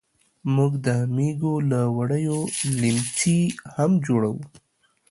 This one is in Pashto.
موږ د مېږو له وړیو لیمڅي هم جوړوو.